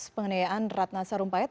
pengenayaan ratna sarumpayat